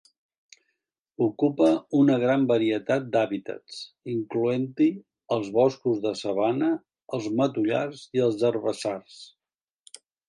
Ocupa una gran varietat d'hàbitats, incloent-hi els boscos de sabana, els matollars i els herbassars.